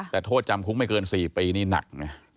แต่โทษจำคุกไม่เกิน๔ปีนี่หนักนะ